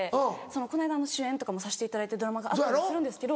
この間主演とかさせていただいたドラマがあったりするんですけど。